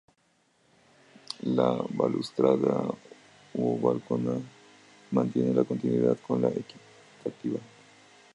La balaustrada o balconada mantiene la continuidad con la de La Equitativa.